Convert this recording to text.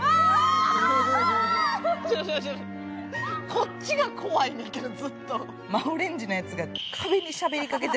こっちが怖いんだけど、ずっと。